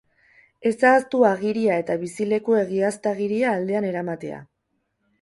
Ez ahaztu agiria eta bizileku-egiaztagiria aldean eramatea.